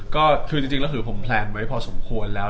ก็คือจริงแล้วคือผมแพลนไว้พอสมควรแล้ว